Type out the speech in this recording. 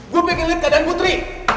gue pengen lihat keadaan putri